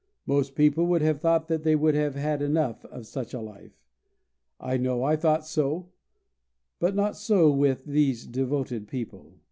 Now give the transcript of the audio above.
Most people would have thought that they would have had enough of such a life. I know I thought so, but not so with these devoted people.